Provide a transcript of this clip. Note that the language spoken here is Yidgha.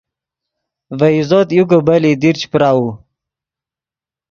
ڤے عزوت یو کہ بلئیت دیر چے پراؤو